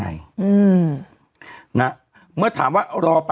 เราก็มีความหวังอะ